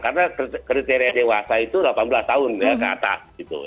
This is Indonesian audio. karena kriteria dewasa itu delapan belas tahun ke atas